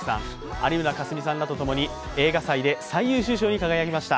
有村架純さんらと共に映画祭で最優秀賞に輝きました。